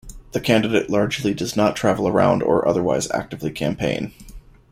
The candidate largely does not travel around or otherwise actively campaign.